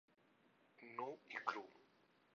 Nu i cru.